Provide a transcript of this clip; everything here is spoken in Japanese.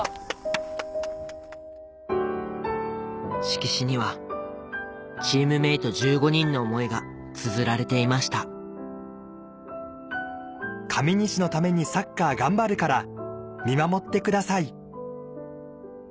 色紙にはチームメート１５人の思いがつづられていました「上西のためにサッカー頑張るから見守ってください」